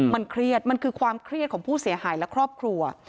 มันเครียดมันคือความเครียดของผู้เสียหายและครอบครัว